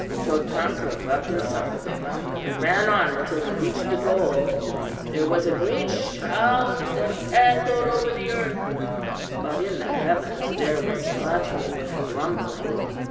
Chotanka rubbed himself with the gum, and ran on until he reached the goal. There was a great shout that echoed over the earth, but in the heavens there was muttering and grumbling.